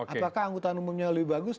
apakah angkutan umumnya lebih bagus